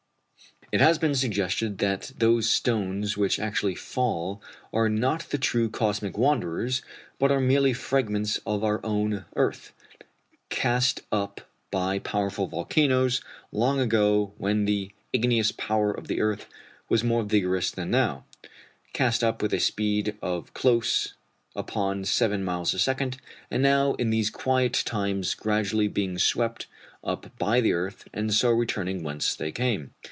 It has been suggested that those stones which actually fall are not the true cosmic wanderers, but are merely fragments of our own earth, cast up by powerful volcanoes long ago when the igneous power of the earth was more vigorous than now cast up with a speed of close upon seven miles a second; and now in these quiet times gradually being swept up by the earth, and so returning whence they came.